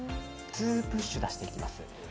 ２プッシュ出していきます。